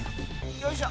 よいしょ！